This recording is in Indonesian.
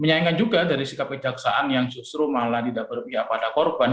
menyayangkan juga dari sikap kejaksaan yang justru malah tidak berpihak pada korban